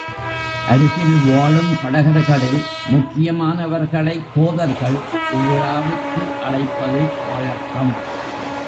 அருகில் வாழும் படகர்களில் முக்கியமானவர்களைக் கோதர்கள் இவ்விழாவிற்கு அழைப்பது வழக்கம்.